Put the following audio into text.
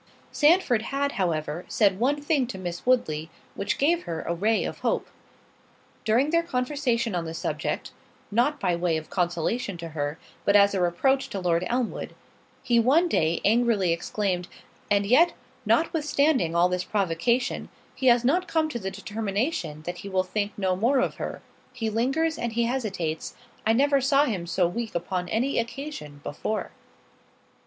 Sandford had, however, said one thing to Miss Woodley, which gave her a ray of hope. During their conversation on the subject, (not by way of consolation to her, but as a reproach to Lord Elmwood) he one day angrily exclaimed, "And yet, notwithstanding all this provocation, he has not come to the determination that he will think no more of her—he lingers and he hesitates—I never saw him so weak upon any occasion before."